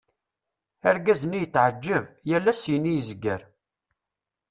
Argaz-nni yetɛeğğeb, yal ass syin i zegger.